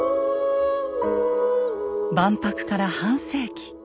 万博から半世紀。